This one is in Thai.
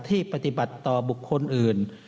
ที่ปฏิบัติต่อบุคคลอื่น